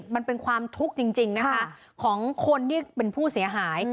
มันเป็นความทุกข์จริงนะคะของคนที่เป็นผู้เสียหาย